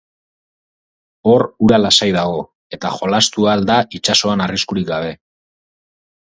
Hor, ura lasai dago, eta jolastu ahal da itsasoan arriskurik gabe.